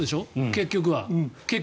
結局は。